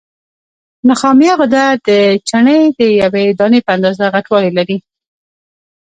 نخامیه غده د چڼې د یوې دانې په اندازه غټوالی لري.